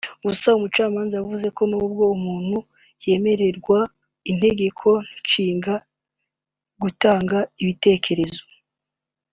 Gusa Umucamanza yavuze ko nubwo umuntu yemererwa n’Itegeko Nshinga gutanga ibitekerezo